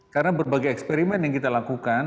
karena berbagai eksperimen yang kita lakukan